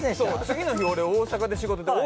次の日俺大阪で仕事で。